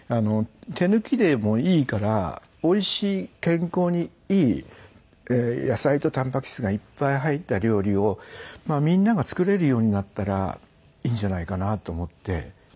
手抜きでもいいからおいしい健康にいい野菜とタンパク質がいっぱい入った料理をみんなが作れるようになったらいいんじゃないかなと思って。